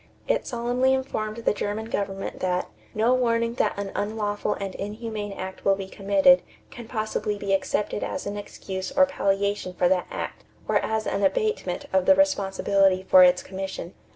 It solemnly informed the German government that "no warning that an unlawful and inhumane act will be committed can possibly be accepted as an excuse or palliation for that act or as an abatement of the responsibility for its commission."